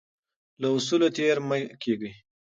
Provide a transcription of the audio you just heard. له اصولو تیر مه کیږئ.